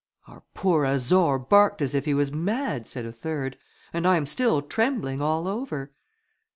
"Our poor Azor barked as if he was mad," said a third, "and I am still trembling all over."